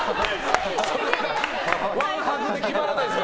ワンハグで決まらないです。